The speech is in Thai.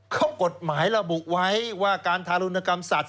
เขากฎหมายระบุไว้ว่าการทารุณกรรมสัตว